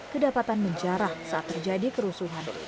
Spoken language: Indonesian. kedapatan menjarah saat terjadi kerusuhan